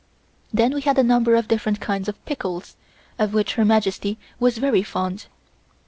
Then we had a number of different kinds of pickles, of which Her Majesty was very fond.